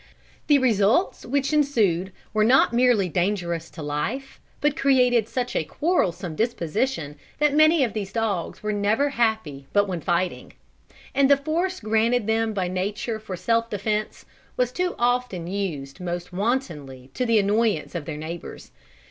The results which ensued were not merely dangerous to life, but created such a quarrelsome disposition, that many of these dogs were never happy but when fighting; and the force granted them by nature for self defence was too often used most wantonly to the annoyance of their neighbours.